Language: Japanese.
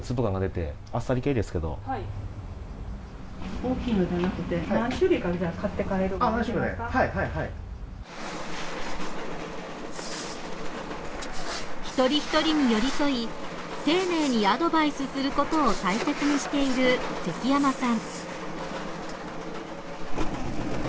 大きいのじゃなくて一人一人に寄り添い丁寧にアドバイスすることを大切にしている関山さん。